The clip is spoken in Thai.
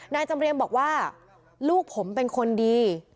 จำเรียงบอกว่าลูกผมเป็นคนดี